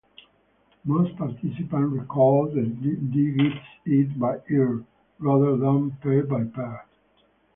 Most participants recalled the digits ear by ear, rather than pair by pair.